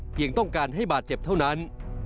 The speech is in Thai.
ต้องการให้บาดเจ็บเท่านั้น